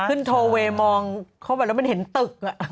ขึ้นทอเวย์มองเขาแบบแล้วมันเห็นตึกอ่ะ